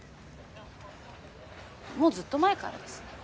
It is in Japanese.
もうずっと前からです。